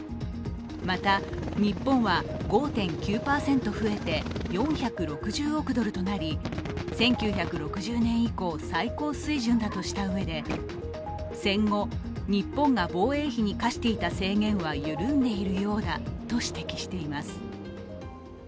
また、日本は５．９％増えて４６０億ドルとなり１９６０年以降、最高水準だとしたうえで戦後、日本が防衛費に課していた制限は緩んでいるようだと指摘しています。